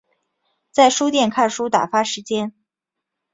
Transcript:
在书店看书打发时间